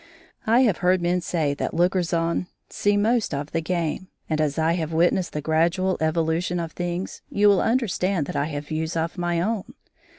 I have heard men say that lookers on see most of the game, and as I have witnessed the gradual evolution of things, you will understand that I have views of my own.